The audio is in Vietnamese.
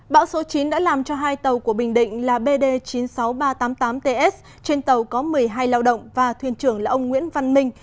bão số chín đã làm cho hai tàu của bình định là bd chín mươi sáu nghìn ba trăm tám mươi tám ts trên tàu có một mươi hai lao động và thuyền trưởng là ông nguyễn văn minh